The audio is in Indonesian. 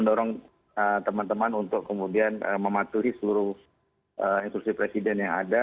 dan juga teman teman untuk kemudian mematuhi seluruh instruksi presiden yang ada